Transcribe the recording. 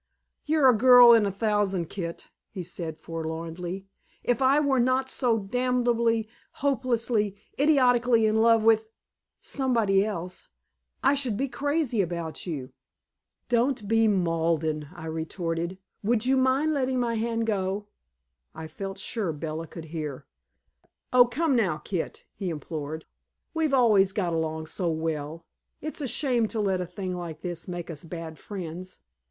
"You're a girl in a thousand, Kit," he said forlornly. "If I were not so damnably, hopelessly, idiotically in love with somebody else, I should be crazy about you." "Don't be maudlin," I retorted. "Would you mind letting my hand go?" I felt sure Bella could hear. "Oh, come now, Kit," he implored, "we've always got along so well. It's a shame to let a thing like this make us bad friends.